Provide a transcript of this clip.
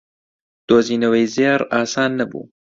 دۆزینەوەی زێڕ ئاسان نەبوو.